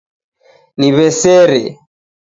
Niwesere